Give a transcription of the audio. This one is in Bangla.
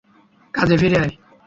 কাজে ফিরে আয়!